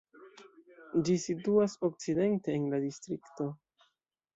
Ĝi situas okcidente en la distrikto.